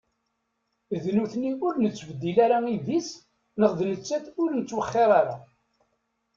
D nutni ur nettbeddil ara idis, neɣ d nettat ur nttwexxir ara?